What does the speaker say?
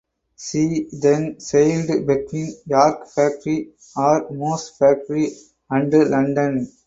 She then sailed between York Factory or Moose Factory and London.